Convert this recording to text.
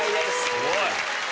すごい！